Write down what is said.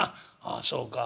「ああそうか。